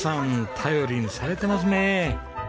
頼りにされてますねえ。